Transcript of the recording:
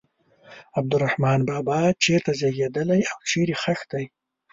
عبدالرحمان بابا چېرته زیږېدلی او چیرې ښخ دی.